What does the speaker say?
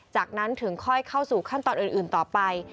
จากนั้นถึงค่อยเข้าสู่ขั้นตอนอื่นต่อไป